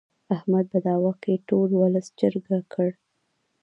احمد په دعوه کې ټول ولس چرګه کړ.